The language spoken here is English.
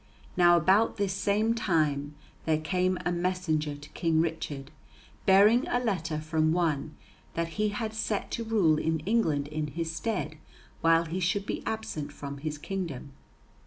Now about this same time there came a messenger to King Richard bearing a letter from one that he had set to rule in England in his stead while he should be absent from his kingdom.